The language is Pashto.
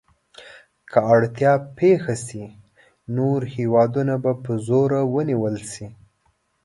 که اړتیا پېښه شي نور هېوادونه په زوره ونیول شي.